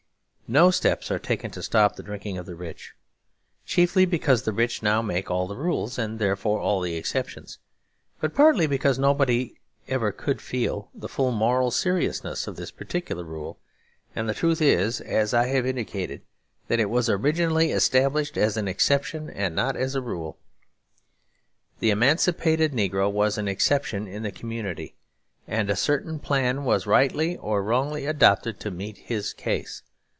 No steps are taken to stop the drinking of the rich, chiefly because the rich now make all the rules and therefore all the exceptions, but partly because nobody ever could feel the full moral seriousness of this particular rule. And the truth is, as I have indicated, that it was originally established as an exception and not as a rule. The emancipated negro was an exception in the community, and a certain plan was, rightly or wrongly, adopted to meet his case.